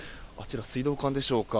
水道管でしょうか。